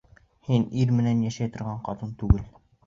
Һин ир менән йәшәй торған ҡатын түгел.